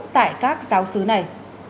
tại các giáo sứ này